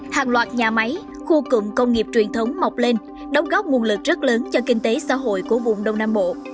hàng loạt nhà máy khu cụm công nghiệp truyền thống mọc lên đóng góp nguồn lực rất lớn cho kinh tế xã hội của vùng đông nam bộ